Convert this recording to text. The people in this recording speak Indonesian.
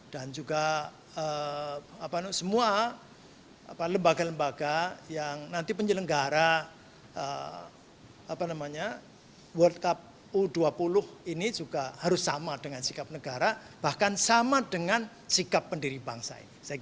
dan juga semua lembaga lembaga yang nanti penyelenggara world cup u dua puluh ini juga harus sama dengan sikap negara bahkan sama dengan sikap pendiri bangsa